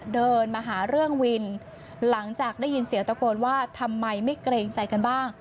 เดินมาหาเรื่องวินหลังจากได้ยินเสียงตะโกนว่าทำไมไม่เกรงใจกันบ้าง